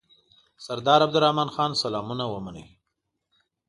سردار عبدالرحمن خان سلامونه ومنئ.